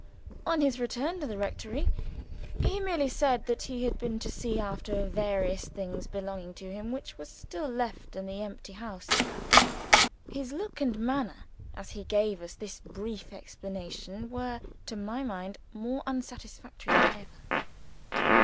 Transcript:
On his return to the rectory, he merely said that he had been to see after various things belonging to him, which were still left in the empty house. His look and manner as he gave us this brief explanation were, to my mind, more unsatisfactory than ever.